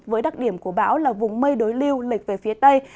với đặc điểm của bão là vùng mây đối lưu lịch về phía tây